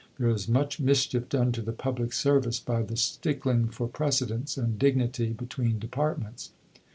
There is much mischief done to the public service by the stickling for precedence and dignity between departments."